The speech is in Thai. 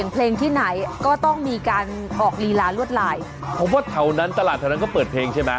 เท่านั้นตลาดเท่านั้นก็เปิดเพลงใช่มะ